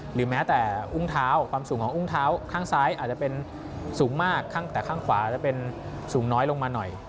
หรือแม้แต่อุ้งเท้าความสูงของอุ้งเท้าข้างซ้ายอาจจะเป็นสูงมากแต่ข้างขวาจะเป็นสูงน้อยลงมาหน่อย